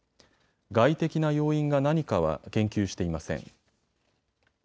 外的な要因が何かは言及していません。